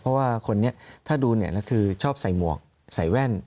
เพราะว่าคนนี้ถ้าดูเนี่ยแล้วคือชอบใส่หมวกใส่แว่น